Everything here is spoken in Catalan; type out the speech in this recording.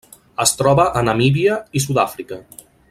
Es troba a Namíbia i Sud-àfrica.